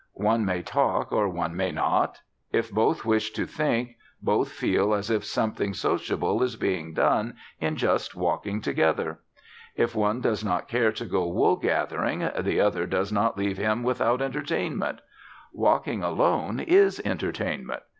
One may talk or one may not. If both wish to think, both feel as if something sociable is being done in just walking together. If one does not care to go wool gathering, the other does not leave him without entertainment; walking alone is entertainment.